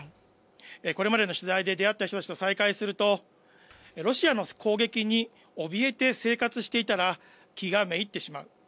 これまでの取材で出会った人たちと再会すると、ロシアの攻撃におびえて生活していたら、気が滅入ってしまう。